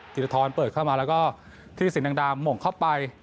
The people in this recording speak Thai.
ธิรทรเปิดเข้ามาแล้วก็ที่สินดังดาหม่งเข้าไป